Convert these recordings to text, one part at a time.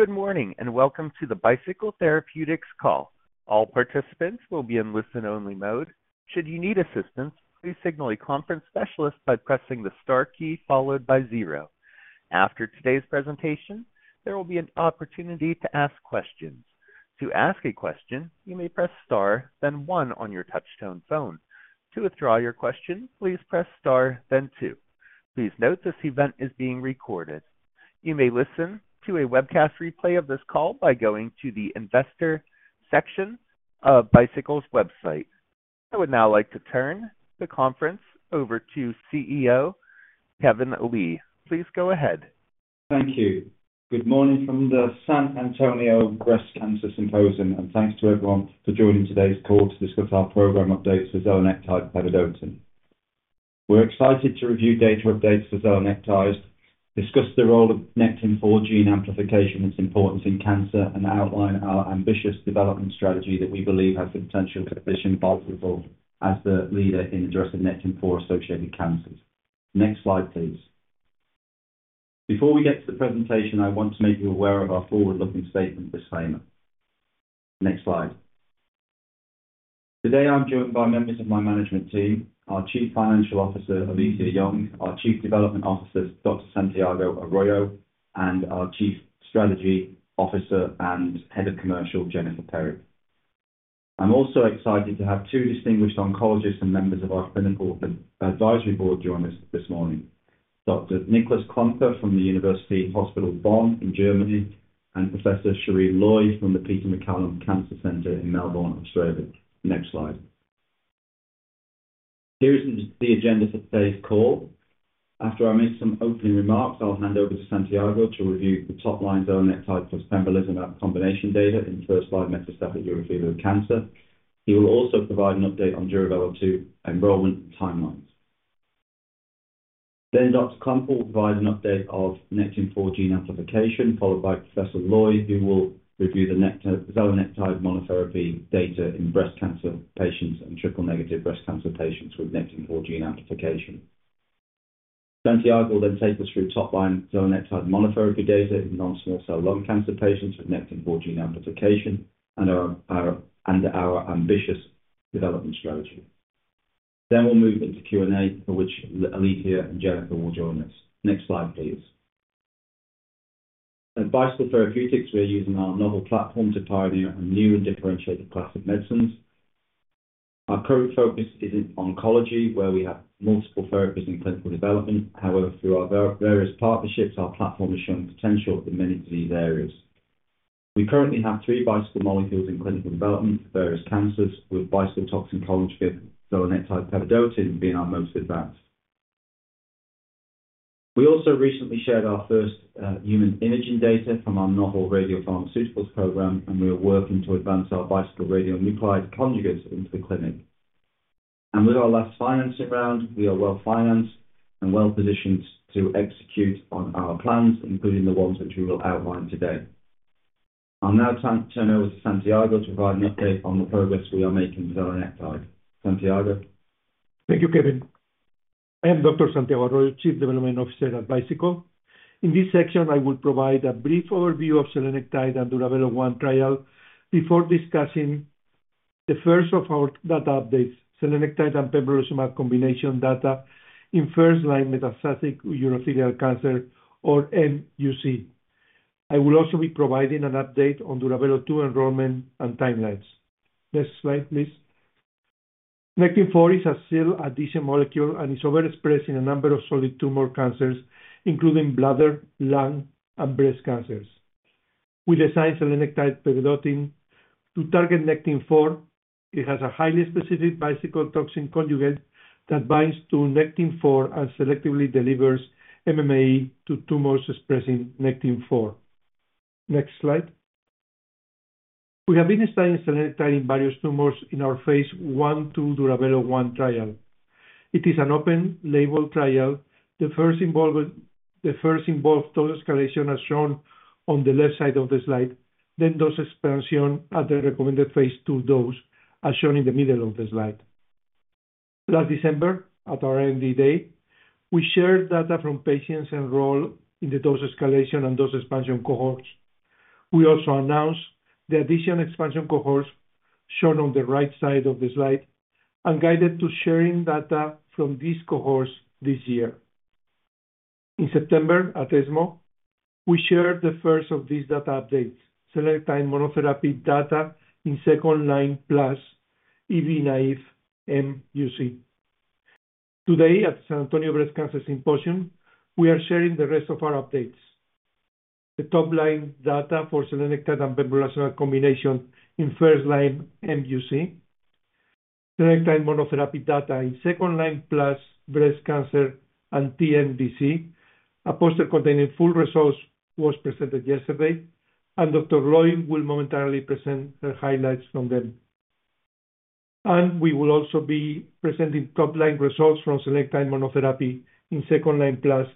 Good morning and welcome to the Bicycle Therapeutics call. All participants will be in listen-only mode. Should you need assistance, please signal a conference specialist by pressing the star key followed by zero. After today's presentation, there will be an opportunity to ask questions. To ask a question, you may press star, then one on your touch-tone phone. To withdraw your question, please press star, then two. Please note this event is being recorded. You may listen to a webcast replay of this call by going to the investor section of Bicycle's website. I would now like to turn the conference over to CEO Kevin Lee. Please go ahead. Thank you. Good morning from the San Antonio Breast Cancer Symposium, and thanks to everyone for joining today's call to discuss our program updates for zelenectide pevedotin. We're excited to review data updates for zelenectide pevedotin, discuss the role of Nectin-4 gene amplification and its importance in cancer, and outline our ambitious development strategy that we believe has the potential to position Bicycle as the leader in addressing Nectin-4 associated cancers. Next slide, please. Before we get to the presentation, I want to make you aware of our forward-looking statement disclaimer. Next slide. Today, I'm joined by members of my management team, our Chief Financial Officer, Alethia Young, our Chief Development Officer, Dr. Santiago Arroyo, and our Chief Strategy Officer and Head of Commercial, Jennifer Perry. I'm also excited to have two distinguished oncologists and members of our clinical advisory board join us this morning, Dr. Niklas Klümper from the University Hospital Bonn in Germany and Professor Sherene Loi from the Peter MacCallum Cancer Centre in Melbourne, Australia. Next slide. Here is the agenda for today's call. After I make some opening remarks, I'll hand over to Santiago to review the top line zelenectide pevedotin plus pembrolizumab combination data in first-line metastatic urothelial cancer. He will also provide an update on Duravelo-2 enrollment timelines. Then Dr. Klümper will provide an update of Nectin-4 gene amplification, followed by Professor Loi, who will review the zelenectide monotherapy data in breast cancer patients and triple-negative breast cancer patients with Nectin-4 gene amplification. Santiago will then take us through top line zelenectide monotherapy data in non-small cell lung cancer patients with Nectin-4 gene amplification and our ambitious development strategy. Then we'll move into Q&A, for which Alethia and Jennifer will join us. Next slide, please. At Bicycle Therapeutics, we're using our novel platform to pioneer a new and differentiated class of medicines. Our current focus is in oncology, where we have multiple therapies in clinical development. However, through our various partnerships, our platform is showing potential in many disease areas. We currently have three bicycle molecules in clinical development for various cancers, with bicycle toxin conjugate zelenectide pevedotin being our most advanced. We also recently shared our first human imaging data from our novel radiopharmaceuticals program, and we are working to advance our bicycle radionuclide conjugates into the clinic. With our last financing round, we are well-financed and well-positioned to execute on our plans, including the ones which we will outline today. I'll now turn over to Santiago to provide an update on the progress we are making with zelenectide. Santiago? Thank you, Kevin. I am Dr. Santiago Arroyo, Chief Development Officer at Bicycle. In this section, I will provide a brief overview of zelenectide and Duravelo-1 trial before discussing the first of our data updates, zelenectide and pembrolizumab combination data in first-line metastatic urothelial cancer, or mUC. I will also be providing an update on Duravelo-2 enrollment and timelines. Next slide, please. Nectin-4 is a cell-adhesion molecule and is overexpressed in a number of solid tumor cancers, including bladder, lung, and breast cancers. We designed zelenectide pevedotin to target Nectin-4. It has a highly specific bicycle toxin conjugate that binds to Nectin-4 and selectively delivers MMAE to tumors expressing Nectin-4. Next slide. We have been studying zelenectide in various tumors in our phase I/II Duravelo-1 trial. It is an open-label trial. The first involved dose escalation as shown on the left side of the slide, then dose expansion at the recommended phase II dose, as shown in the middle of the slide. Last December, at our end date, we shared data from patients enrolled in the dose escalation and dose expansion cohorts. We also announced the addition expansion cohorts shown on the right side of the slide and guided to sharing data from these cohorts this year. In September, at ESMO, we shared the first of these data updates, zelenectide monotherapy data in second-line plus EV-naïve mUC. Today, at the San Antonio Breast Cancer Symposium, we are sharing the rest of our updates. The top line data for zelenectide and pembrolizumab combination in first-line mUC, zelenectide monotherapy data in second-line plus breast cancer and TNBC, a poster containing full results, was presented yesterday, and Dr. Loi will momentarily present her highlights from them. We will also be presenting top line results from zelenectide monotherapy in second-line plus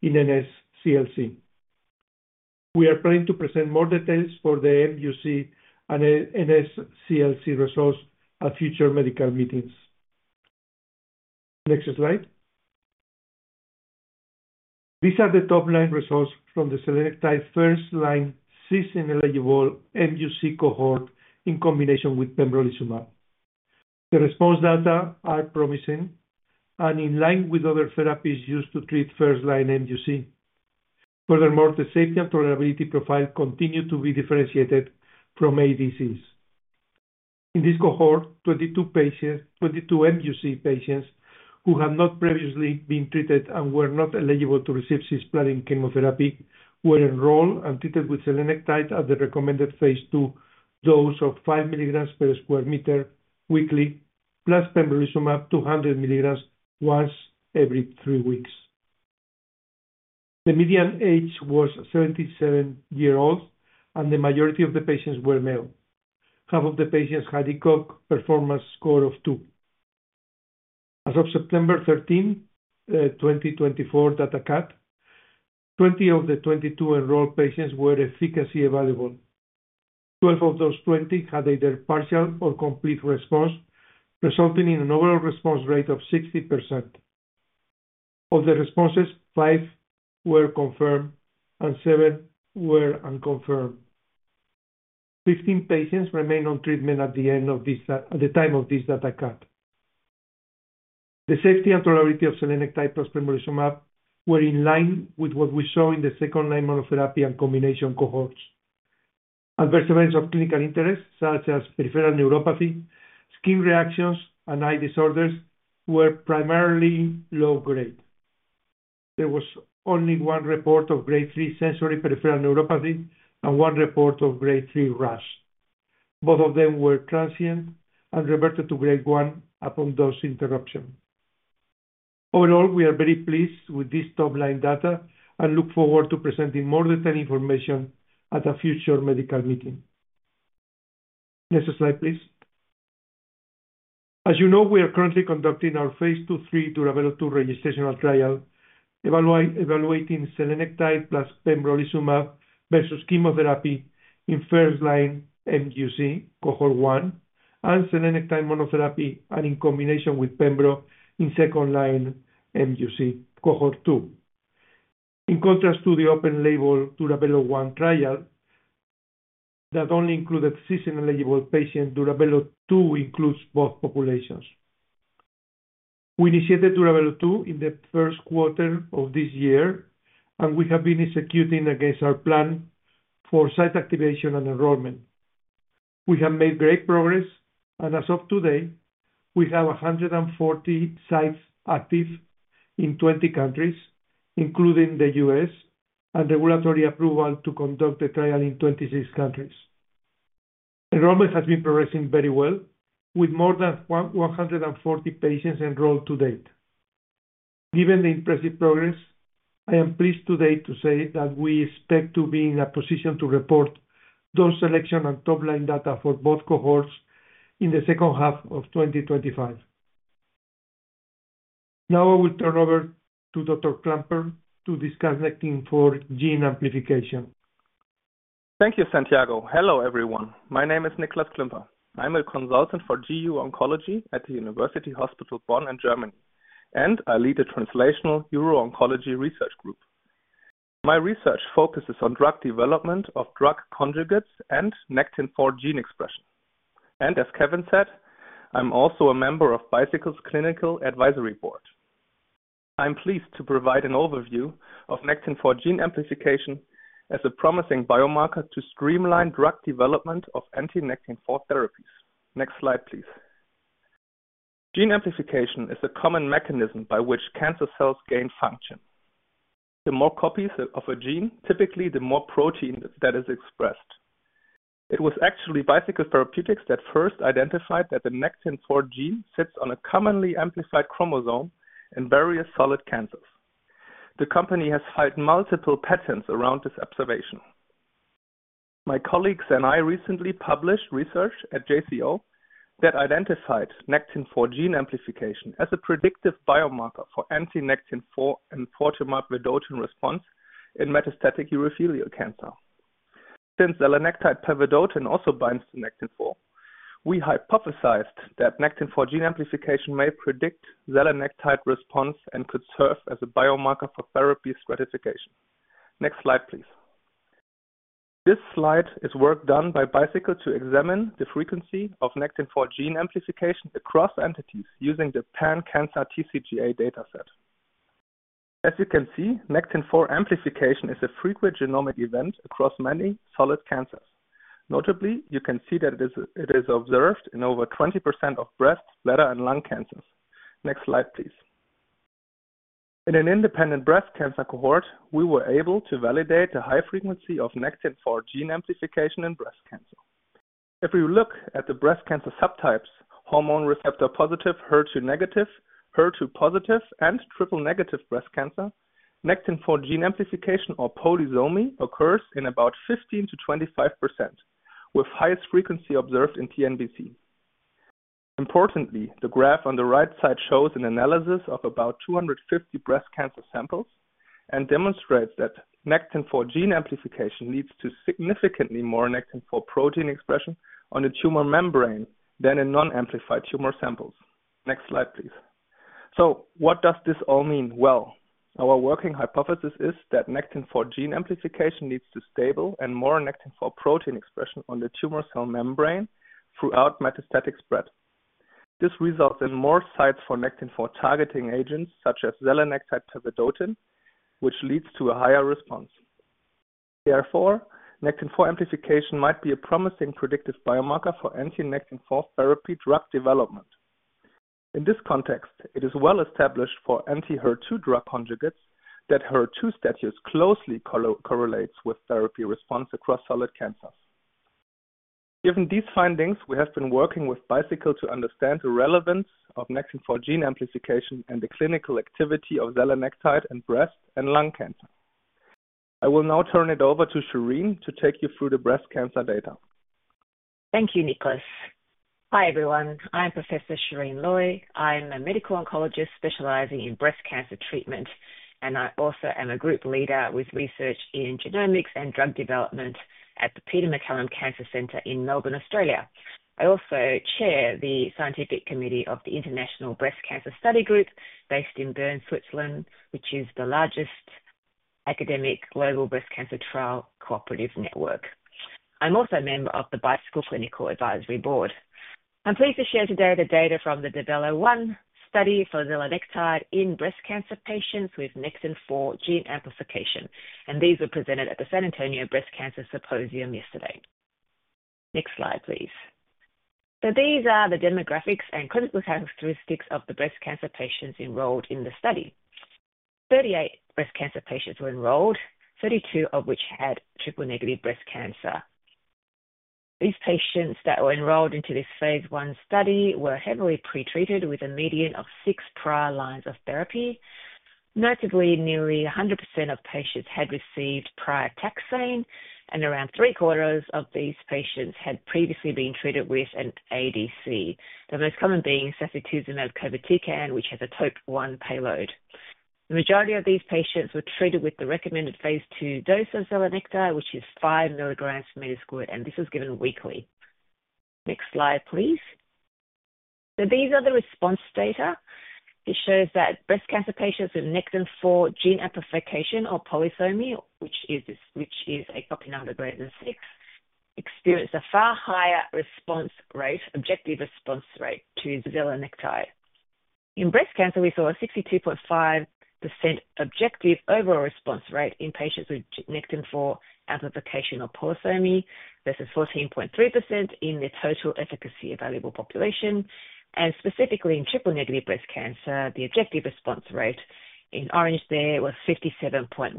in NSCLC. We are planning to present more details for the mUC and NSCLC results at future medical meetings. Next slide. These are the top line results from the zelenectide pevedotin first-line cis-ineligible mUC cohort in combination with pembrolizumab. The response data are promising and in line with other therapies used to treat first-line mUC. Furthermore, the safety and tolerability profile continued to be differentiated from ADCs. In this cohort, 22 mUC patients who had not previously been treated and were not eligible to receive cisplatin chemotherapy were enrolled and treated with zelenectide at the recommended phase II dose of 5 mg/sqm weekly plus pembrolizumab 200 mg once every three weeks. The median age was 77 years old, and the majority of the patients were male. Half of the patients had ECOG performance score of two. As of September 13, 2024, data cut, 20 of the 22 enrolled patients were efficacy evaluable. 12 of those 20 had either partial or complete response, resulting in an overall response rate of 60%. Of the responses, five were confirmed and seven were unconfirmed. 15 patients remained on treatment at the time of this data cut. The safety and tolerability of zelenectide plus pembrolizumab were in line with what we saw in the second-line monotherapy and combination cohorts. Adverse events of clinical interest, such as peripheral neuropathy, skin reactions, and eye disorders, were primarily low-grade. There was only one report of grade 3 sensory peripheral neuropathy and one report of grade 3 rash. Both of them were transient and reverted to grade 1 upon dose interruption. Overall, we are very pleased with this top line data and look forward to presenting more detailed information at a future medical meeting. Next slide, please. As you know, we are currently conducting our phase II/III Duravelo-2 registrational trial, evaluating zelenectide plus pembrolizumab versus chemotherapy in first-line mUC, cohort 1, and zelenectide monotherapy and in combination with Pembro in second-line mUC, cohort 2. In contrast to the open-label Duravelo-1 trial that only included cis-ineligible patients, Duravelo-2 includes both populations. We initiated Duravelo-2 in the first quarter of this year, and we have been executing against our plan for site activation and enrollment. We have made great progress, and as of today, we have 140 sites active in 20 countries, including the U.S., and regulatory approval to conduct the trial in 26 countries. Enrollment has been progressing very well, with more than 140 patients enrolled to date. Given the impressive progress, I am pleased today to say that we expect to be in a position to report dose selection and top line data for both cohorts in the second half of 2025. Now I will turn over to Dr. Klümper to discuss Nectin-4 gene amplification. Thank you, Santiago. Hello, everyone. My name is Niklas Klümper. I'm a consultant for GU Oncology at the University Hospital Bonn in Germany, and I lead the translational neuro-oncology research group. My research focuses on drug development of drug conjugates and Nectin-4 gene expression, and as Kevin said, I'm also a member of Bicycle's Clinical Advisory Board. I'm pleased to provide an overview of Nectin-4 gene amplification as a promising biomarker to streamline drug development of anti-Nectin-4 therapies. Next slide, please. Gene amplification is a common mechanism by which cancer cells gain function. The more copies of a gene, typically the more protein that is expressed. It was actually Bicycle Therapeutics that first identified that the Nectin-4 gene sits on a commonly amplified chromosome in various solid cancers. The company has filed multiple patents around this observation. My colleagues and I recently published research at JCO that identified Nectin-4 gene amplification as a predictive biomarker for anti-Nectin-4 enfortumab vedotin response in metastatic urothelial cancer. Since zelenectide pevedotin also binds to Nectin-4, we hypothesized that Nectin-4 gene amplification may predict zelenectide pevedotin response and could serve as a biomarker for therapy stratification. Next slide, please. This slide is work done by Bicycle to examine the frequency of Nectin-4 gene amplification across entities using the Pan-Cancer TCGA data set. As you can see, Nectin-4 amplification is a frequent genomic event across many solid cancers. Notably, you can see that it is observed in over 20% of breast, bladder, and lung cancers. Next slide, please. In an independent breast cancer cohort, we were able to validate the high frequency of Nectin-4 gene amplification in breast cancer. If we look at the breast cancer subtypes, hormone receptor positive, HER2 negative, HER2 positive, and triple-negative breast cancer, Nectin-4 gene amplification, or polysomy, occurs in about 15% to 25%, with highest frequency observed in TNBC. Importantly, the graph on the right side shows an analysis of about 250 breast cancer samples and demonstrates that Nectin-4 gene amplification leads to significantly more Nectin-4 protein expression on the tumor membrane than in non-amplified tumor samples. Next slide, please. So what does this all mean? Well, our working hypothesis is that Nectin-4 gene amplification leads to stable and more Nectin-4 protein expression on the tumor cell membrane throughout metastatic spread. This results in more sites for Nectin-4 targeting agents, such as zelenectide pevedotin, which leads to a higher response. Therefore, Nectin-4 amplification might be a promising predictive biomarker for anti-Nectin-4 therapy drug development. In this context, it is well established for anti-HER2 drug conjugates that HER2 status closely correlates with therapy response across solid cancers. Given these findings, we have been working with Bicycle to understand the relevance of Nectin-4 gene amplification and the clinical activity of zelenectide pevedotin in breast and lung cancer. I will now turn it over to Sherene to take you through the breast cancer data. Thank you, Nicholas. Hi, everyone. I'm Professor Sherene Loi. I'm a medical oncologist specializing in breast cancer treatment, and I also am a group leader with research in genomics and drug development at the Peter MacCallum Cancer Center in Melbourne, Australia. I also chair the scientific committee of the International Breast Cancer Study Group based in Bern, Switzerland, which is the largest academic global breast cancer trial cooperative network. I'm also a member of the Bicycle Clinical Advisory Board. I'm pleased to share today the data from the Duravelo-1 study for zelenectide pevedotin in breast cancer patients with Nectin-4 gene amplification, and these were presented at the San Antonio Breast Cancer Symposium yesterday. Next slide, please. So these are the demographics and clinical characteristics of the breast cancer patients enrolled in the study. 38 breast cancer patients were enrolled, 32 of which had triple-negative breast cancer. These patients that were enrolled into this phase I study were heavily pretreated with a median of six prior lines of therapy. Notably, nearly 100% of patients had received prior taxane, and around three-quarters of these patients had previously been treated with an ADC, the most common being sacituzumab govitecan, which has a topo-1 payload. The majority of these patients were treated with the recommended phase II dose of zelenectide pevedotin, which is 5 mg/sqm, and this was given weekly. Next slide, please. So these are the response data. It shows that breast cancer patients with Nectin-4 gene amplification, or polysomy, which is a copy number greater than six, experience a far higher response rate, objective response rate, to zelenectide pevedotin. In breast cancer, we saw a 62.5% objective overall response rate in patients with Nectin-4 amplification, or polysomy, versus 14.3% in the total efficacy available population. Specifically, in triple-negative breast cancer, the objective response rate in orange there was 57.1%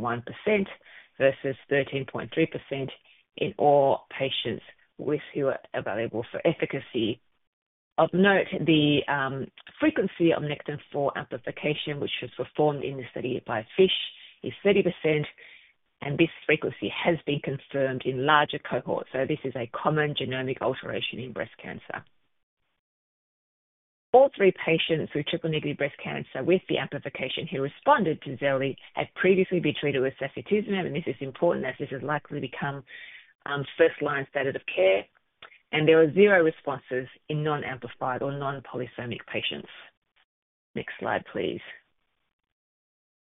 versus 13.3% in all patients who were available for efficacy. Of note, the frequency of Nectin-4 amplification, which was performed in the study by FISH, is 30%, and this frequency has been confirmed in larger cohorts. This is a common genomic alteration in breast cancer. All three patients with triple-negative breast cancer with the amplification who responded to zelenectide had previously been treated with sacituzumab, and this is important as this has likely become first-line standard of care. There were zero responses in non-amplified or non-polysomic patients. Next slide, please.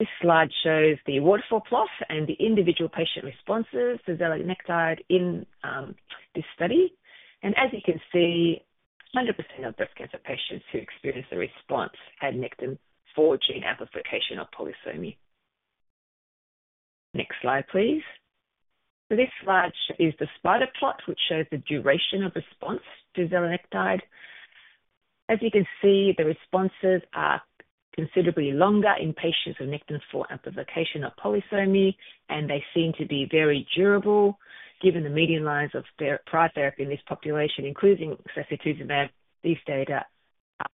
This slide shows the waterfall plots and the individual patient responses to zelenectide in this study, and as you can see, 100% of breast cancer patients who experienced the response had Nectin-4 gene amplification, or polysomy. Next slide, please. So this slide is the spider plot, which shows the duration of response to zelenectide. As you can see, the responses are considerably longer in patients with Nectin-4 amplification, or polysomy, and they seem to be very durable given the median lines of prior therapy in this population, including sacituzumab. These data are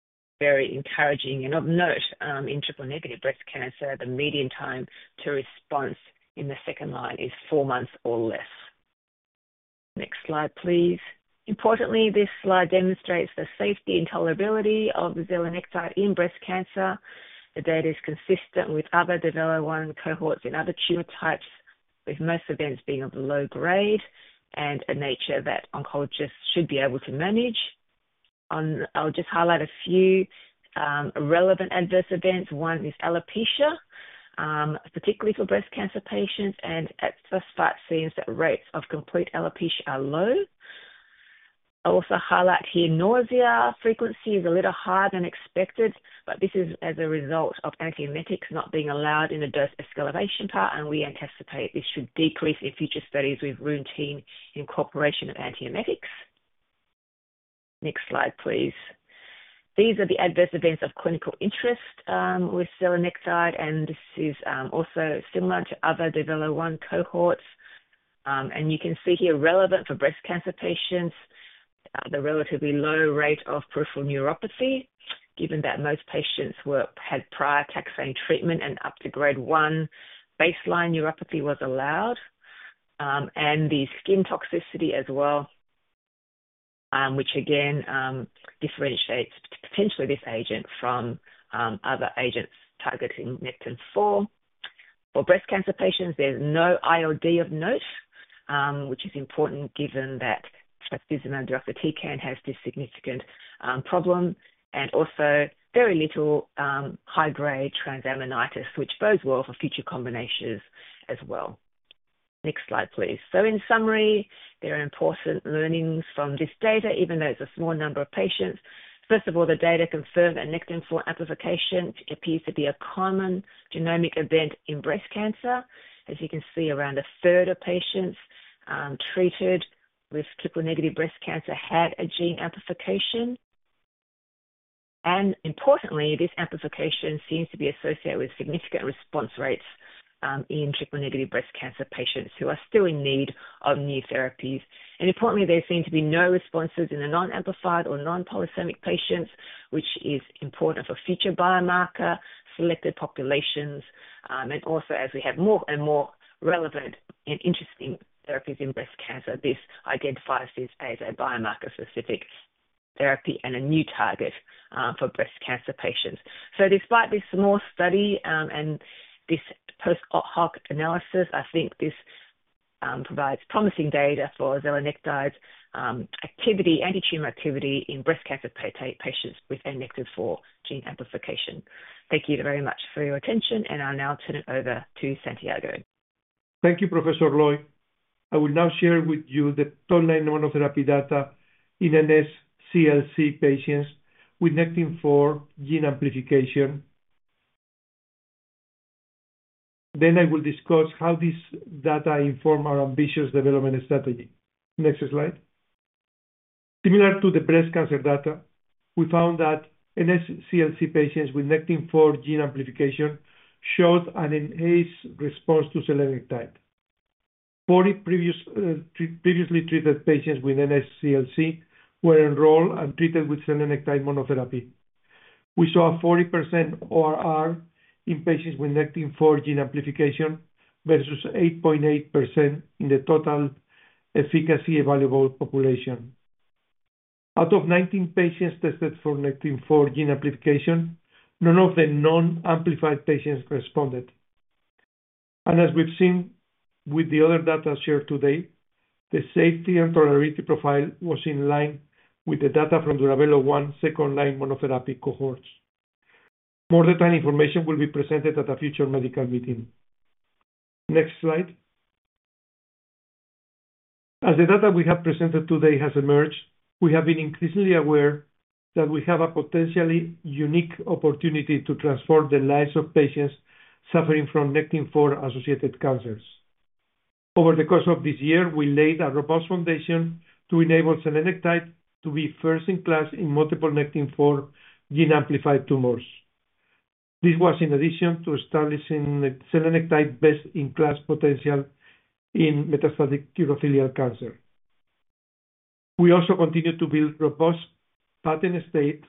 very encouraging, and of note, in triple-negative breast cancer, the median time to response in the second line is four months or less. Next slide, please. Importantly, this slide demonstrates the safety and tolerability of zelenectide in breast cancer. The data is consistent with other Duravelo-1 cohorts in other tumor types, with most events being of low grade and a nature that oncologists should be able to manage. I'll just highlight a few relevant adverse events. One is alopecia, particularly for breast cancer patients, and at first sight seems that rates of complete alopecia are low. I'll also highlight here nausea, frequency is a little higher than expected, but this is as a result of antiemetics not being allowed in the dose escalation part, and we anticipate this should decrease in future studies with routine incorporation of antiemetics. Next slide, please. These are the adverse events of clinical interest with zelenectide, and this is also similar to other Duravelo-1 cohorts. And you can see here relevant for breast cancer patients, the relatively low rate of peripheral neuropathy, given that most patients had prior taxane treatment and up to grade 1 baseline neuropathy was allowed, and the skin toxicity as well, which again differentiates potentially this agent from other agents targeting Nectin-4. For breast cancer patients, there's no ILD of note, which is important given that sacituzumab govitecan can have this significant problem, and also very little high-grade transaminitis, which bodes well for future combinations as well. Next slide, please. So in summary, there are important learnings from this data, even though it's a small number of patients. First of all, the data confirms that Nectin-4 amplification appears to be a common genomic event in breast cancer. As you can see, around a third of patients treated with triple-negative breast cancer had a gene amplification. And importantly, this amplification seems to be associated with significant response rates in triple-negative breast cancer patients who are still in need of new therapies. And importantly, there seem to be no responses in the non-amplified or non-polysomic patients, which is important for future biomarker selected populations. And also, as we have more and more relevant and interesting therapies in breast cancer, this identifies this as a biomarker-specific therapy and a new target for breast cancer patients. So despite this small study and this post-hoc analysis, I think this provides promising data for zelenectide's anti-tumor activity in breast cancer patients with Nectin-4 gene amplification. Thank you very much for your attention, and I'll now turn it over to Santiago. Thank you, Professor Loi. I will now share with you the top-line immunotherapy data in NSCLC patients with Nectin-4 gene amplification. Then I will discuss how this data informed our ambitious development strategy. Next slide. Similar to the breast cancer data, we found that NSCLC patients with Nectin-4 gene amplification showed an enhanced response to zelenectide. 40 previously treated patients with NSCLC were enrolled and treated with zelenectide monotherapy. We saw a 40% ORR in patients with Nectin-4 gene amplification versus 8.8% in the total evaluable population. Out of 19 patients tested for Nectin-4 gene amplification, none of the non-amplified patients responded, and as we've seen with the other data shared today, the safety and tolerability profile was in line with the data from Duravelo-1 second-line monotherapy cohorts. More detailed information will be presented at a future medical meeting. Next slide. As the data we have presented today has emerged, we have been increasingly aware that we have a potentially unique opportunity to transform the lives of patients suffering from Nectin-4-associated cancers. Over the course of this year, we laid a robust foundation to enable zelenectide to be first-in-class in multiple Nectin-4 gene-amplified tumors. This was in addition to establishing zelenectide best-in-class potential in metastatic urothelial cancer. We also continue to build robust patent estate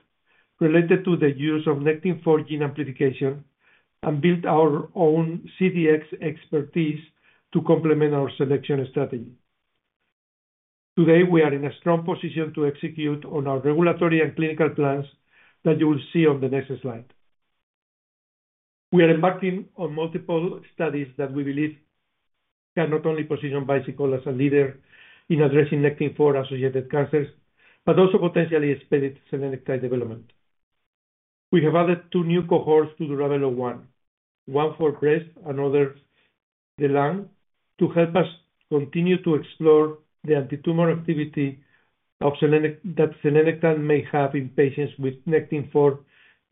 related to the use of Nectin-4 gene amplification and build our own CDx expertise to complement our selection strategy. Today, we are in a strong position to execute on our regulatory and clinical plans that you will see on the next slide. We are embarking on multiple studies that we believe can not only position Bicycle as a leader in addressing Nectin-4-associated cancers, but also potentially expedite zelenectide development. We have added two new cohorts to Duravelo-1, one for breast and another for the lung, to help us continue to explore the anti-tumor activity that zelenectide may have in patients with Nectin-4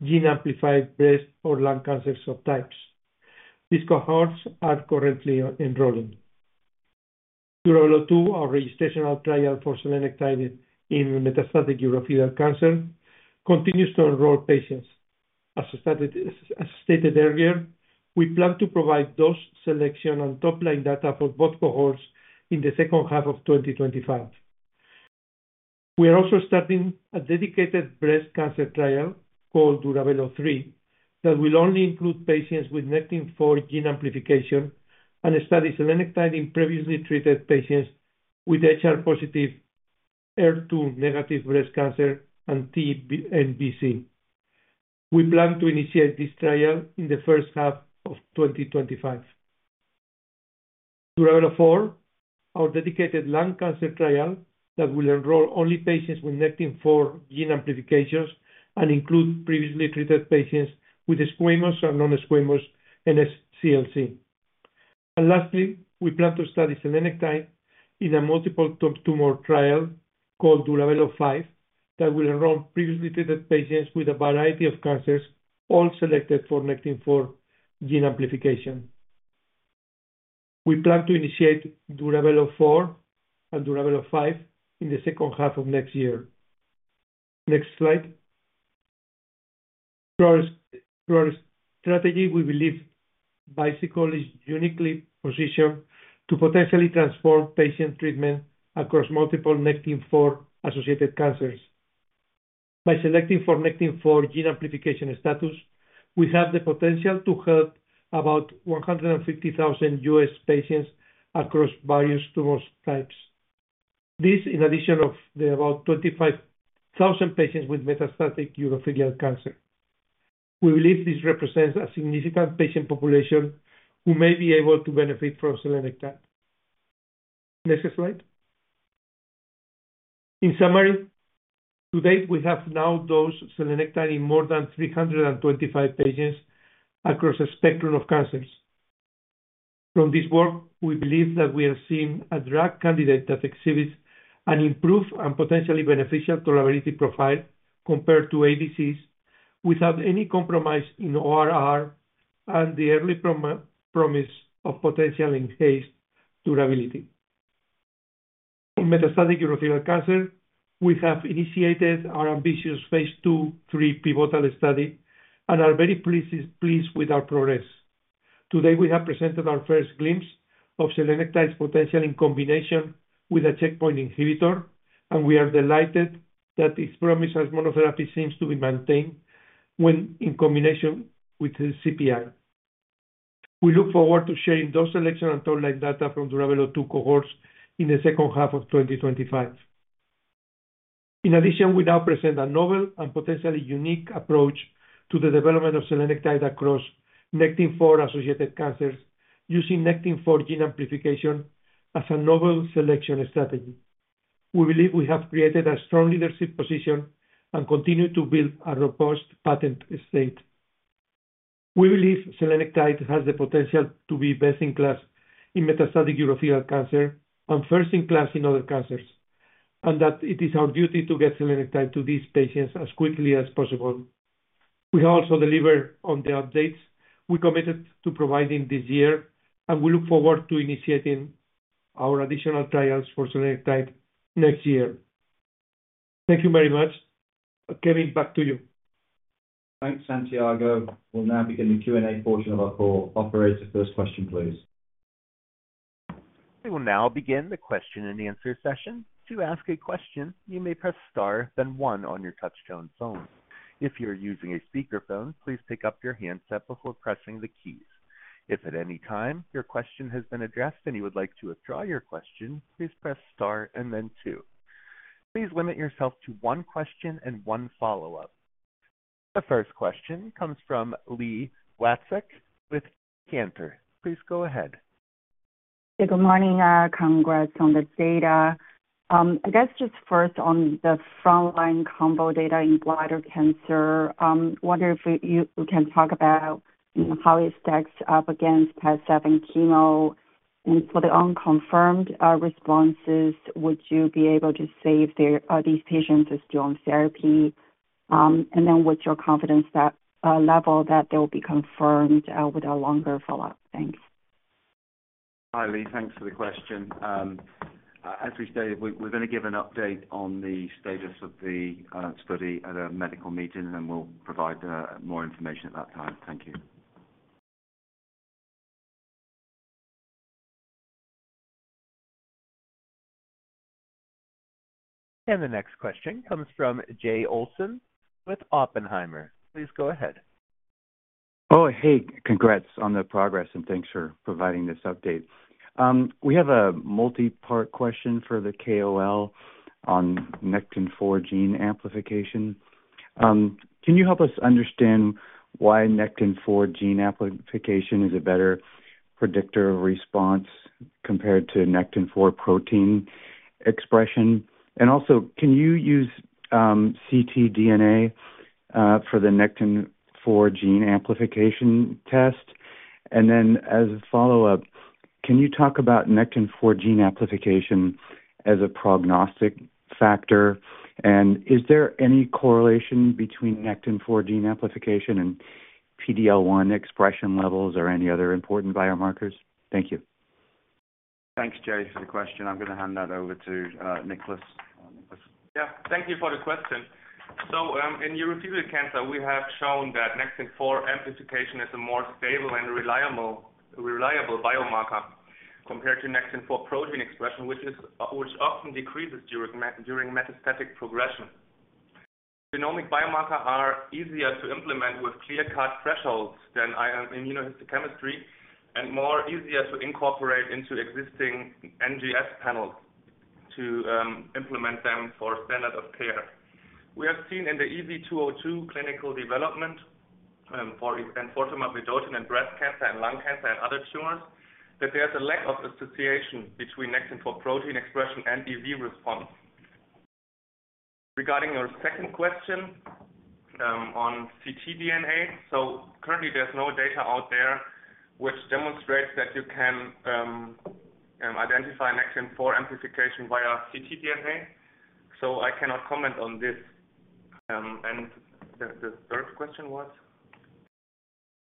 gene-amplified breast or lung cancer subtypes. These cohorts are currently enrolling. Duravelo-2, our registrational trial for zelenectide in metastatic urothelial cancer, continues to enroll patients. As stated earlier, we plan to provide dose selection and top-line data for both cohorts in the second half of 2025. We are also starting a dedicated breast cancer trial called Duravelo-3 that will only include patients with Nectin-4 gene amplification and study zelenectide in previously treated patients with HR-positive/HER2-negative breast cancer, and TNBC. We plan to initiate this trial in the first half of 2025. Duravelo-4, our dedicated lung cancer trial that will enroll only patients with Nectin-4 gene amplifications and include previously treated patients with squamous and non-squamous NSCLC. And lastly, we plan to study zelenectide in a multiple tumor trial called Duravelo-5 that will enroll previously treated patients with a variety of cancers, all selected for Nectin-4 gene amplification. We plan to initiate Duravelo-4 and Duravelo-5 in the second half of next year. Next slide. Through our strategy, we believe Bicycle is uniquely positioned to potentially transform patient treatment across multiple Nectin-4-associated cancers. By selecting for Nectin-4 gene amplification status, we have the potential to help about 150,000 U.S. patients across various tumor types. This, in addition to the about 25,000 patients with metastatic urothelial cancer. We believe this represents a significant patient population who may be able to benefit from zelenectide. Next slide. In summary, to date, we have now dosed zelenectide in more than 325 patients across a spectrum of cancers. From this work, we believe that we are seeing a drug candidate that exhibits an improved and potentially beneficial tolerability profile compared to ADCs without any compromise in ORR and the early promise of potential enhanced durability. In metastatic urothelial cancer, we have initiated our ambitious Phase II/III pivotal study and are very pleased with our progress. Today, we have presented our first glimpse of zelenectide's potential in combination with a checkpoint inhibitor, and we are delighted that its promise as monotherapy seems to be maintained when in combination with CPI. We look forward to sharing those selection and top-line data from Duravelo-2 cohorts in the second half of 2025. In addition, we now present a novel and potentially unique approach to the development of zelenectide pevedotin across Nectin-4-associated cancers using Nectin-4 gene amplification as a novel selection strategy. We believe we have created a strong leadership position and continue to build a robust patent estate. We believe Zelenectide has the potential to be best-in-class in metastatic urothelial cancer and first-in-class in other cancers, and that it is our duty to get Zelenectide to these patients as quickly as possible. We have also delivered on the updates we committed to providing this year, and we look forward to initiating our additional trials for Zelenectide next year. Thank you very much. Kevin, back to you. Thanks, Santiago. We'll now begin the Q&A portion of our call. Operator, first question, please. We will now begin the question-and-answer session. To ask a question, you may press star, then one on your touch-tone phone. If you're using a speakerphone, please pick up your handset before pressing the keys. If at any time your question has been addressed and you would like to withdraw your question, please press star and then two. Please limit yourself to one question and one follow-up. The first question comes from Li Watsek with Cantor. Please go ahead. Good morning. Congrats on the data. First on the front-line combo data in bladder cancer, I wonder if you can talk about how it stacks up against platinum-based chemo. And for the unconfirmed responses, would you be able to say if these patients are still on therapy? And then what's your confidence level that they'll be confirmed with a longer follow-up? Thanks. Hi, Lee. Thanks for the question. As we stated, we're going to give an update on the status of the study at a medical meeting, and then we'll provide more information at that time. Thank you. The next question comes from Jay Olson with Oppenheimer. Please go ahead. Oh, hey. Congrats on the progress, and thanks for providing this update. We have a multi-part question for the KOL on Nectin-4 gene amplification. Can you help us understand why Nectin-4 gene amplification is a better predictor of response compared to Nectin-4 protein expression? And also, can you use ctDNA for the Nectin-4 gene amplification test? And then as a follow-up, can you talk about Nectin-4 gene amplification as a prognostic factor? And is there any correlation between Nectin-4 gene amplification and PD-L1 expression levels or any other important biomarkers? Thank you. Thanks, Jay, for the question. I'm going to hand that over to Niklas. Yeah. Thank you for the question. So in urothelial cancer, we have shown that Nectin-4 amplification is a more stable and reliable biomarker compared to Nectin-4 protein expression, which often decreases during metastatic progression. Genomic biomarkers are easier to implement with clear-cut thresholds than immunohistochemistry and easier to incorporate into existing NGS panels to implement them for standard of care. We have seen in the EV-202 clinical development for tumor-agnostic in breast cancer and lung cancer and other tumors that there's a lack of association between Nectin-4 protein expression and EV response. Regarding your second question on ctDNA, so currently, there's no data out there which demonstrates that you can identify Nectin-4 amplification via ctDNA, so I cannot comment on this, and the third question was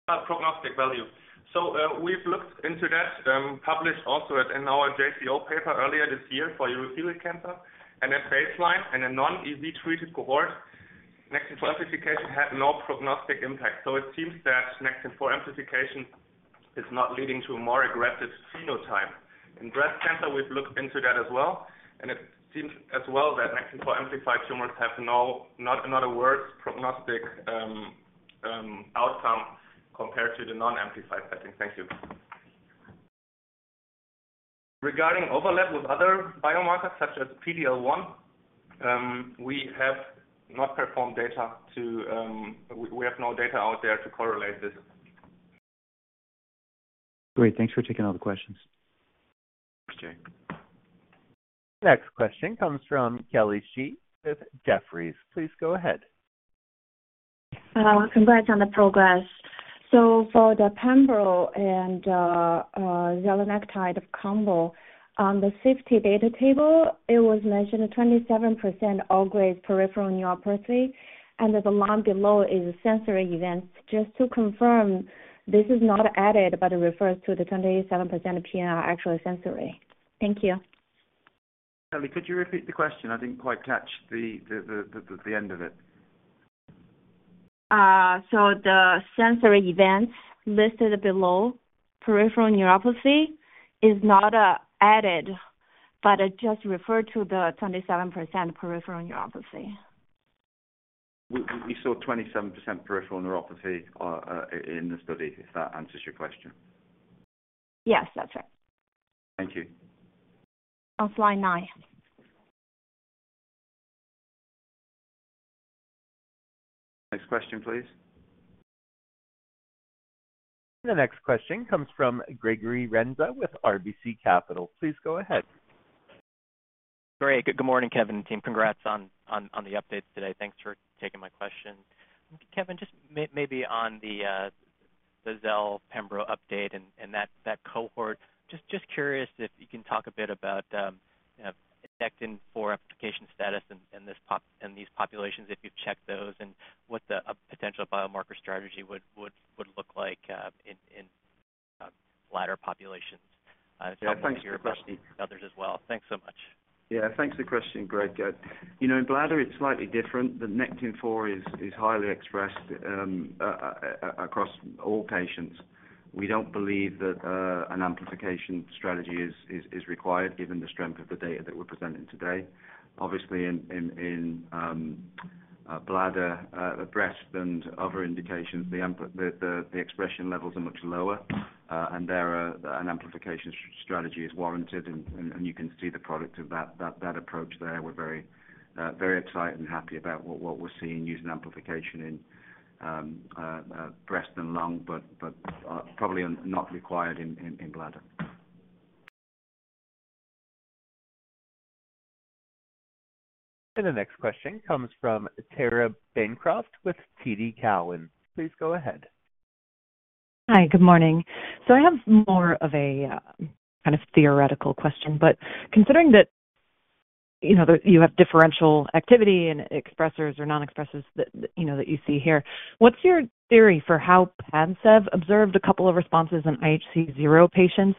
about prognostic value. So we've looked into that, published also in our JCO paper earlier this year for urothelial cancer. And at baseline in a non-EV treated cohort, Nectin-2 amplification had no prognostic impact. So it seems that Nectin-4 amplification is not leading to more aggressive phenotype. In breast cancer, we've looked into that as well. And it seems as well that Nectin-4-amplified tumors have not another worse prognostic outcome compared to the non-amplified setting. Thank you. Regarding overlap with other biomarkers such as PD-L1, we have no data out there to correlate this. Great. Thanks for taking all the questions. Thanks, Jay. Next question comes from Kelly Shi with Jefferies. Please go ahead. Congrats on the progress. For the Pembro and zelenectide combo, on the safety data table, it was measured at 27% all-grade peripheral neuropathy. The line below is sensory events. Just to confirm, this is not added, but it refers to the 27% PN actually sensory. Thank you. Kelly, could you repeat the question? I didn't quite catch the end of it. So the sensory events listed below peripheral neuropathy is not added, but it just referred to the 27% peripheral neuropathy. We saw 27% peripheral neuropathy in the study, if that answers your question. Yes, that's right. Thank you. On slide nine. Next question, please. The next question comes from Gregory Renza with RBC Capital. Please go ahead. Great. Good morning, Kevin and team. Congrats on the update today. Thanks for taking my question. Kevin, just maybe on the Zel/Pembro update and that cohort, just curious if you can talk a bit about Nectin-4 expression status and these populations, if you've checked those, and what the potential biomarker strategy would look like in bladder populations? Yeah. Thanks for the question. Others as well. Thanks so much. Yeah. Thanks for the question, Greg. In bladder, it's slightly different. The Nectin-4 is highly expressed across all patients. We don't believe that an amplification strategy is required given the strength of the data that we're presenting today. Obviously, in bladder, breast, and other indications, the expression levels are much lower, and an amplification strategy is warranted. And you can see the product of that approach there. We're very excited and happy about what we're seeing using amplification in breast and lung, but probably not required in bladder. And the next question comes from Tara Bancroft with TD Cowen. Please go ahead. Hi, good morning. So I have more of a kind of theoretical question. But considering that you have differential activity in expressors or non-expressors that you see here, what's your theory for how Padcev observed a couple of responses in IHC0 patients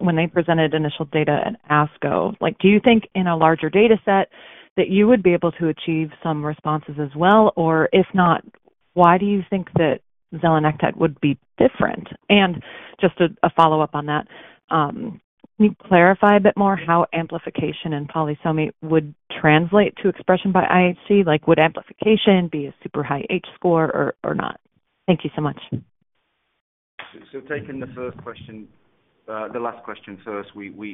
when they presented initial data at ASCO? Do you think in a larger data set that you would be able to achieve some responses as well? Or if not, why do you think that zelenectide would be different? And just a follow-up on that, can you clarify a bit more how amplification and polysomy would translate to expression by IHC? Would amplification be a super high H score or not? Thank you so much. So taking the last question first, we've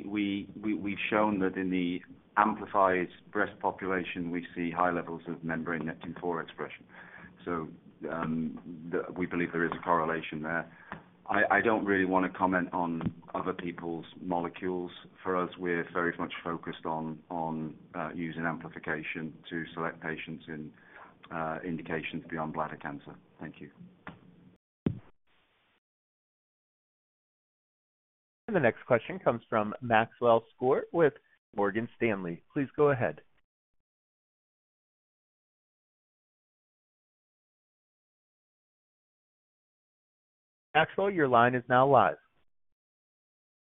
shown that in the amplified breast population, we see high levels of membrane Nectin-4 expression. So we believe there is a correlation there. I don't really want to comment on other people's molecules. For us, we're very much focused on using amplification to select patients in indications beyond bladder cancer. Thank you. The next question comes from Maxwell Skor with Morgan Stanley. Please go ahead. Maxwell, your line is now live.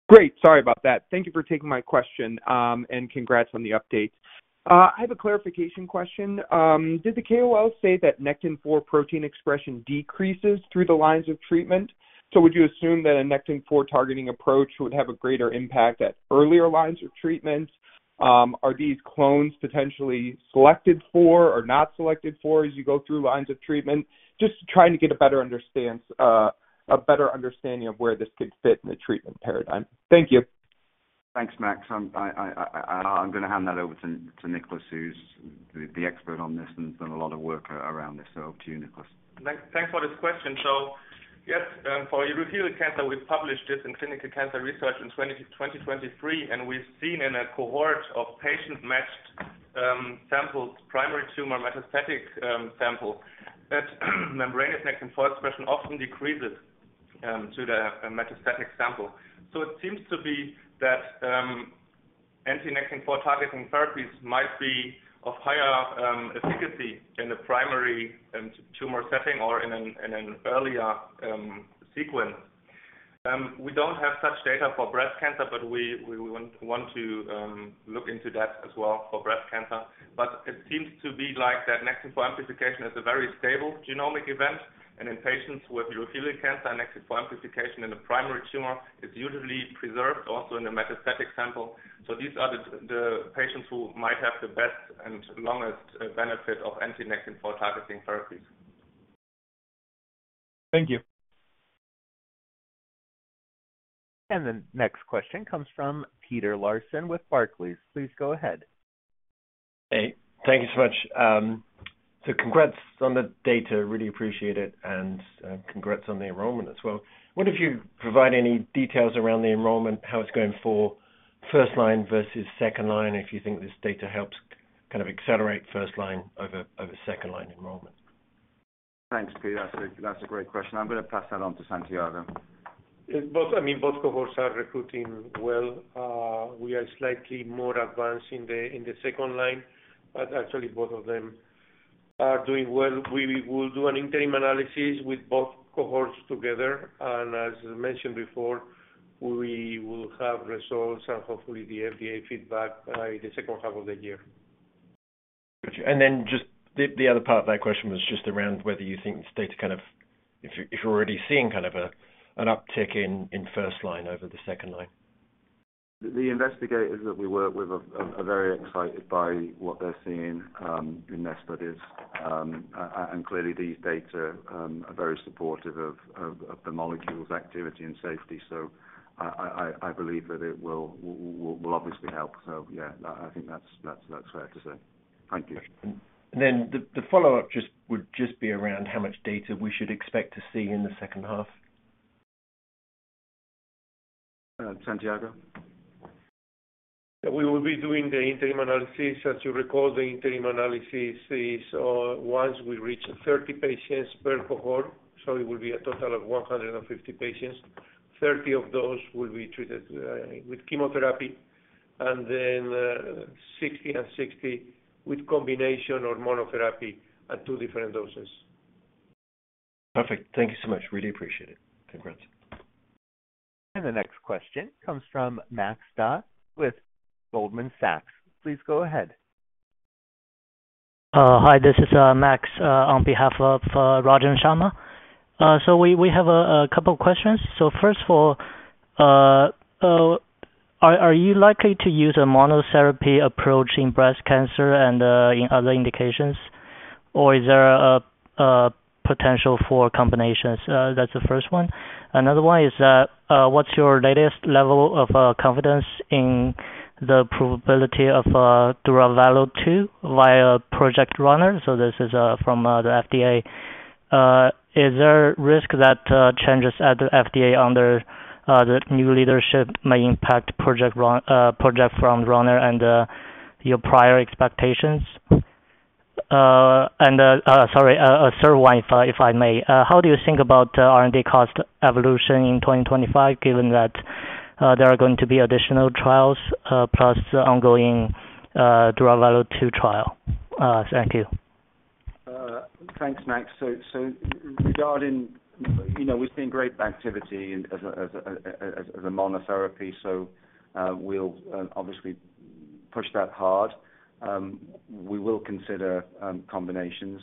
Great. Sorry about that. Thank you for taking my question and congrats on the update. I have a clarification question. Did the KOL say that Nectin-4 protein expression decreases through the lines of treatment? So would you assume that a Nectin-4 targeting approach would have a greater impact at earlier lines of treatment? Are these clones potentially selected for or not selected for as you go through lines of treatment? Just trying to get a better understanding of where this could fit in the treatment paradigm. Thank you. Thanks, Max. I'm going to hand that over to Niklas, who's the expert on this and has done a lot of work around this. So, up to you, Niklas. Thanks for this question, so yes, for urothelial cancer, we published this in Clinical Cancer Research in 2023, and we've seen in a cohort of patients matched samples, primary tumor metastatic sample, that membrane Nectin-4 expression often decreases to the metastatic sample, so it seems to be that anti-Nectin-4 targeting therapies might be of higher efficacy in the primary tumor setting or in an earlier sequence. We don't have such data for breast cancer, but we want to look into that as well for breast cancer, but it seems to be like that Nectin-4 amplification is a very stable genomic event, and in patients with urothelial cancer, Nectin-4 amplification in a primary tumor is usually preserved also in the metastatic sample, so these are the patients who might have the best and longest benefit of anti-Nectin-4 targeting therapies. Thank you. And the next question comes from Peter Lawson with Barclays. Please go ahead. Hey. Thank you so much. So congrats on the data, really appreciate it, and congrats on the enrollment as well. I wonder if you provide any details around the enrollment, how it's going for first-line versus second-line, if you think this data helps kind of accelerate first-line over second-line enrollment? Thanks, Peter. That's a great question. I'm going to pass that on to Santiago. I mean, both cohorts are recruiting well. We are slightly more advanced in the second-line, but actually, both of them are doing well. We will do an interim analysis with both cohorts together, and as mentioned before, we will have results and hopefully the FDA feedback by the second half of the year. Got you and then just the other part of that question was just around whether you think the data kind of if you're already seeing kind of an uptick in first-line over the second-line? The investigators that we work with are very excited by what they're seeing in their studies, and clearly, these data are very supportive of the molecule's activity and safety, so I believe that it will obviously help, so yeah, I think that's fair to say. Thank you. Then the follow-up would just be around how much data we should expect to see in the second half. Santiago. We will be doing the interim analysis. As you recall, the interim analysis is once we reach 30 patients per cohort. So it will be a total of 150 patients. 30 of those will be treated with chemotherapy, and then 60 and 60 with combination hormonal therapy at two different doses. Perfect. Thank you so much, really appreciate it, congrats. The next question comes from Max Dahl with Goldman Sachs. Please go ahead. Hi, this is Max on behalf of Rajan Sharma. So we have a couple of questions. So first of all, are you likely to use a monotherapy approach in breast cancer and in other indications? Or is there a potential for combinations? That's the first one. Another one is, what's your latest level of confidence in the probability of Duravelo-2 via Project Frontrunner? So this is from the FDA. Is there risk that changes at the FDA under the new leadership may impact Project Frontrunner and your prior expectations? And sorry, third one, if I may. How do you think about R&D cost evolution in 2025 given that there are going to be additional trials plus ongoing Duravelo-2 trial? Thank you. Thanks, Max. So regarding we've seen great activity as a monotherapy. So we'll obviously push that hard. We will consider combinations,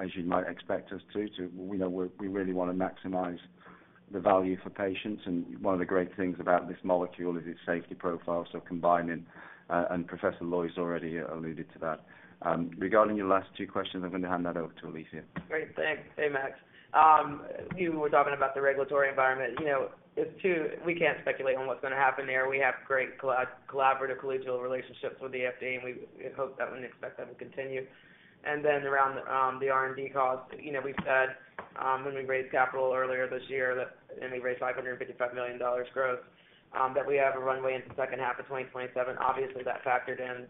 as you might expect us to. We really want to maximize the value for patients. And one of the great things about this molecule is its safety profile. So combining and Professor Loi has already alluded to that. Regarding your last two questions, I'm going to hand that over to Alethia. Great. Thanks. Hey, Max. You were talking about the regulatory environment. We can't speculate on what's going to happen there. We have great collaborative collegial relationships with the FDA, and we hope that we can expect that will continue, and then around the R&D cost, we've said when we raised capital earlier this year, and we raised $555 million gross, that we have a runway into the second half of 2027. Obviously, that factored in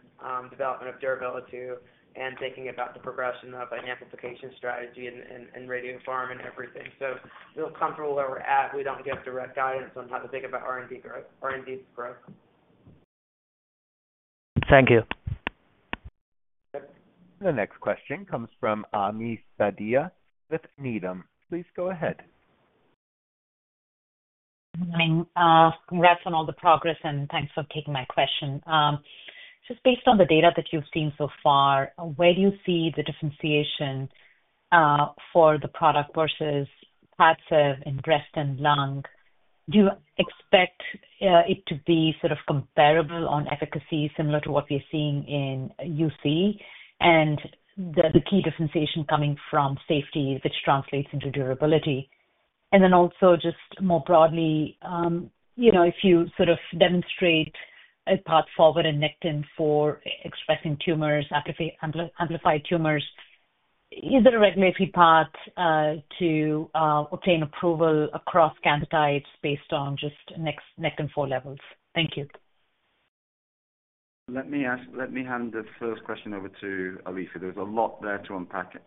development of Duravelo-2 and thinking about the progression of an amplification strategy and radiopharm and everything. So we're comfortable where we're at. We don't get direct guidance on how to think about R&D growth. Thank you. The next question comes from Ami Fadia with Needham. Please go ahead. Good morning. Congrats on all the progress, and thanks for taking my question. Just based on the data that you've seen so far, where do you see the differentiation for the product versus Padcev in breast and lung? Do you expect it to be sort of comparable on efficacy similar to what we're seeing in UC and the key differentiation coming from safety, which translates into durability? And then also just more broadly, if you sort of demonstrate a path forward in Nectin-4 expressing tumors, amplified tumors, is there a regulatory path to obtain approval across cancer types based on just Nectin-4 levels? Thank you. Let me hand the first question over to Alethia. There's a lot there to unpack,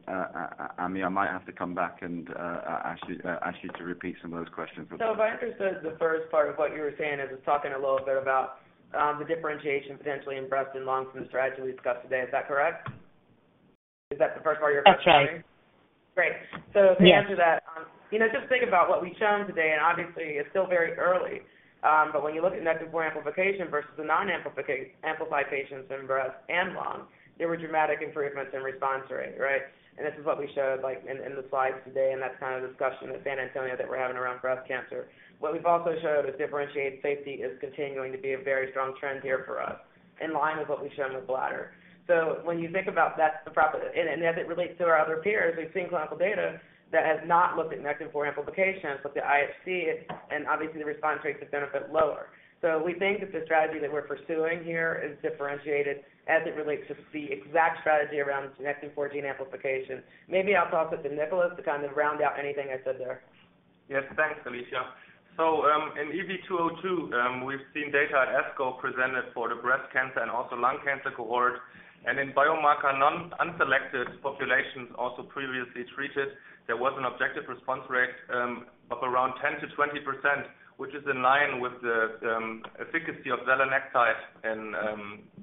Ami. I might have to come back and ask you to repeat some of those questions. So if I understood the first part of what you were saying is it's talking a little bit about the differentiation potentially in breast and lung from the strategy we discussed today. Is that correct? Is that the first part of your question? Right. Yes. Great. So to answer that, just think about what we've shown today. And obviously, it's still very early. But when you look at Nectin-4 amplification versus the non-amplified patients in breast and lung, there were dramatic improvements in response rate, right? And this is what we showed in the slides today, and that's kind of the discussion at San Antonio that we're having around breast cancer. What we've also showed is differentiated safety is continuing to be a very strong trend here for us in line with what we've shown with bladder. So when you think about that, and as it relates to our other peers, we've seen clinical data that has not looked at Nectin-4 amplification, but the IHC and obviously the response rates have been a bit lower. We think that the strategy that we're pursuing here is differentiated as it relates to the exact strategy around Nectin-4 gene amplification. Maybe I'll toss it to Niklas to kind of round out anything I said there. Yes, thanks, Alethia, so in EV202, we've seen data at ASCO presented for the breast cancer and also lung cancer cohort, and in biomarker unselected populations also previously treated, there was an objective response rate of around 10% to 20%, which is in line with the efficacy of zelenectide in,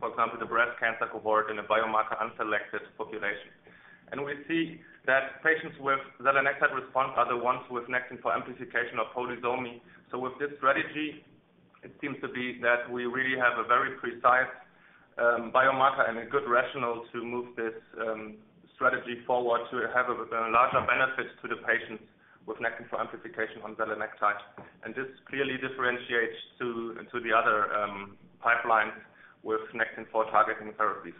for example, the breast cancer cohort in a biomarker unselected population, and we see that patients with zelenectide response are the ones with Nectin-4 amplification or polysomy, so with this strategy, it seems to be that we really have a very precise biomarker and a good rationale to move this strategy forward to have a larger benefit to the patients with Nectin-4 amplification on zelenectide, and this clearly differentiates to the other pipelines with Nectin-4 targeting therapies.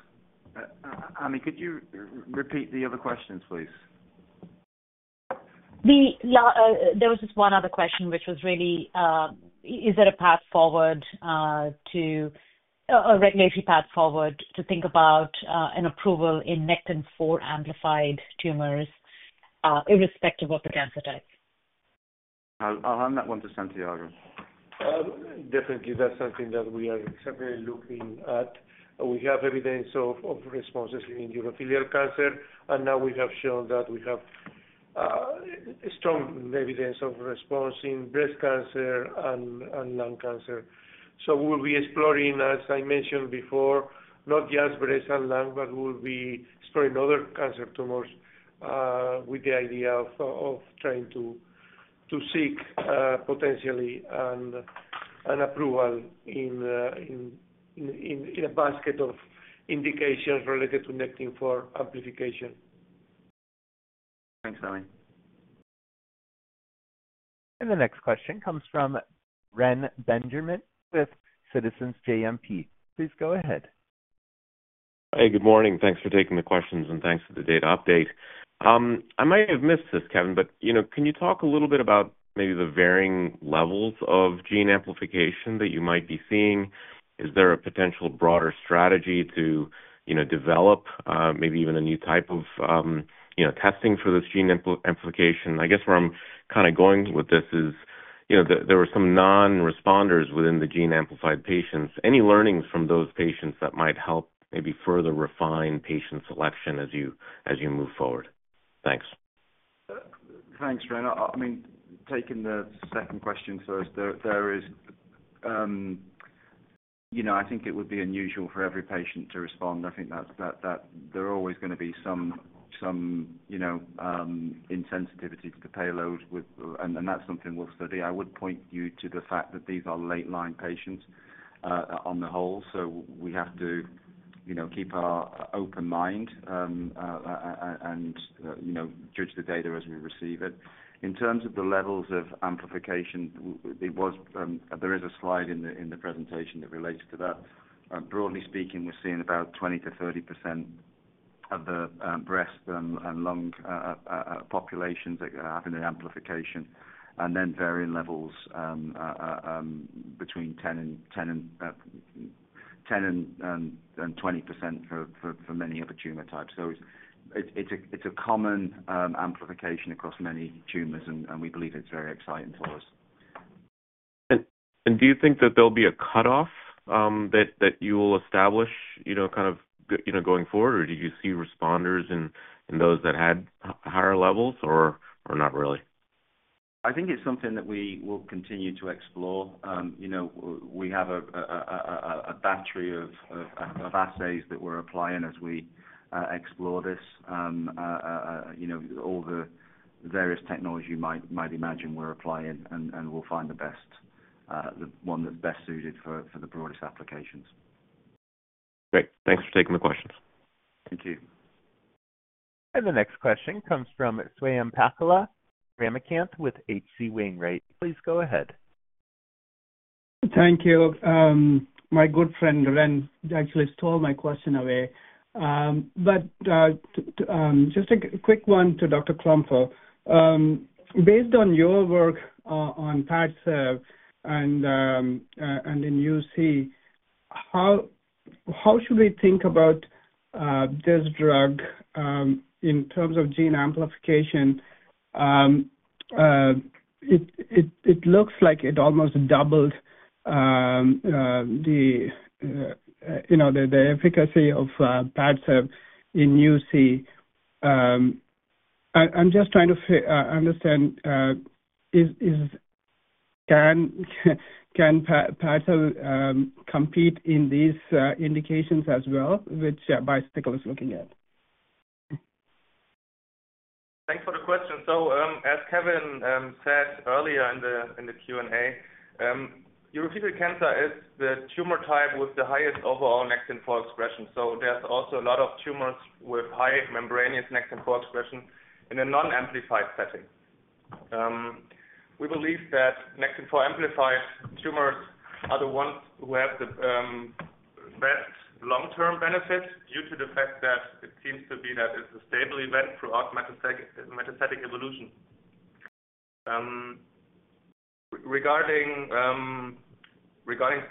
Ami, could you repeat the other questions, please? There was just one other question, which was really, is there a path forward to a regulatory path forward to think about an approval in Nectin-4 amplified tumors irrespective of the cancer type? I'll hand that one to Santiago. Definitely. That's something that we are certainly looking at. We have evidence of responses in urothelial cancer. And now we have shown that we have strong evidence of response in breast cancer and lung cancer. So we will be exploring, as I mentioned before, not just breast and lung, but we will be exploring other cancer tumors with the idea of trying to seek potentially an approval in a basket of indications related to Nectin-4 amplification. Thanks, Ami. And the next question comes from Reni Benjamin with Citizens JMP. Please go ahead. Hey, good morning. Thanks for taking the questions and thanks for the data update. I might have missed this, Kevin, but can you talk a little bit about maybe the varying levels of gene amplification that you might be seeing? Is there a potential broader strategy to develop maybe even a new type of testing for this gene amplification? I guess where I'm kind of going with this is there were some non-responders within the gene amplified patients. Any learnings from those patients that might help maybe further refine patient selection as you move forward? Thanks. Thanks, Reni. I mean, taking the second question first, there is I think it would be unusual for every patient to respond. I think that there are always going to be some insensitivity to the payload, and that's something we'll study. I would point you to the fact that these are late-line patients on the whole. So we have to keep our open mind and judge the data as we receive it. In terms of the levels of amplification, there is a slide in the presentation that relates to that. Broadly speaking, we're seeing about 20% to 30% of the breast and lung populations having the amplification and then varying levels between 10% and 20% for many of the tumor types. So it's a common amplification across many tumors, and we believe it's very exciting for us. Do you think that there'll be a cutoff that you will establish kind of going forward, or did you see responders in those that had higher levels or not really? I think it's something that we will continue to explore. We have a battery of assays that we're applying as we explore this, all the various technology you might imagine we're applying, and we'll find the best, the one that's best suited for the broadest applications. Great. Thanks for taking the questions. Thank you. The next question comes from Swayampakula Ramakanth with H.C. Wainwright. Please go ahead. Thank you. My good friend Ren actually stole my question away. But just a quick one to Dr. Klümper. Based on your work on Padcev and in UC, how should we think about this drug in terms of gene amplification? It looks like it almost doubled the efficacy of Padcev in UC. I'm just trying to understand, can Padcev compete in these indications as well, which Bicycle is looking at? Thanks for the question. So as Kevin said earlier in the Q&A, urothelial cancer is the tumor type with the highest overall Nectin-4 expression. So there's also a lot of tumors with high membranous Nectin-4 expression in a non-amplified setting. We believe that Nectin-4 amplified tumors are the ones who have the best long-term benefit due to the fact that it seems to be that it's a stable event through augmented metastatic evolution. Regarding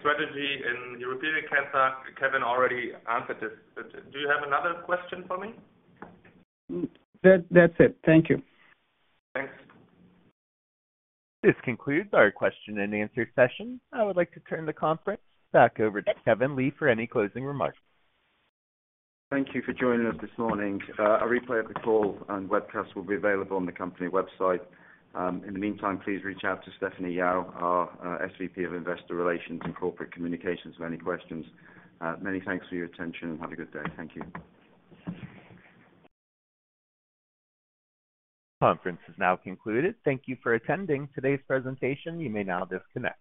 strategy in urothelial cancer, Kevin already answered this. Do you have another question for me? That's it. Thank you. Thanks. This concludes our question and answer session. I would like to turn the conference back over to Kevin Lee for any closing remarks. Thank you for joining us this morning. A replay of the call and webcast will be available on the company website. In the meantime, please reach out to Stephanie Yao, our SVP of Investor Relations and Corporate Communications for any questions. Many thanks for your attention and have a good day. Thank you. The conference is now concluded. Thank you for attending today's presentation. You may now disconnect.